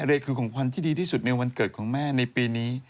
อะไรคือของขวัญที่ดีที่สุดในวันเกิดของแม่ในปีนี้